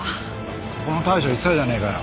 ここの大将言ってたじゃねえかよ。